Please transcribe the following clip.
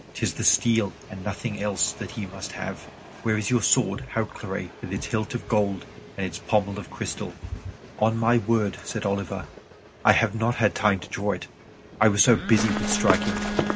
'Tis the steel and nothing else that he must have. Where is your sword Hautclere, with its hilt of gold and its pommel of crystal?" "On my word," said Oliver, "I have not had time to draw it; I was so busy with striking."